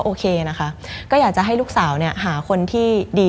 โอเคนะคะก็อยากจะให้ลูกสาวหาคนที่ดี